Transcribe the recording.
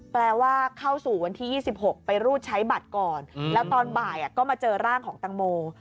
แปลว่าเข้าสู่วันที่๒๖ไปรูดใช้บัตรก่อนแล้วตอนบ่ายก็มาเจอร่างของตังโม